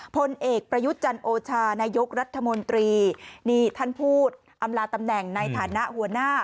พลเอกประยุทธ์จันโอชานายกรัฐมนตรีนี่ท่านพูดอำลาตำแหน่งในฐานะหัวหน้า